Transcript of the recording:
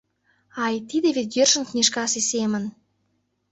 Ай, тиде вет йӧршын книжкасе семын...